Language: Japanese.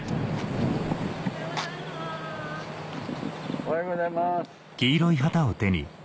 おはようございます。